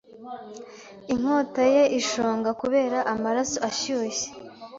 inkota ye ishonga kubera amaraso ashyushye